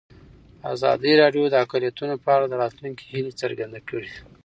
ازادي راډیو د اقلیتونه په اړه د راتلونکي هیلې څرګندې کړې.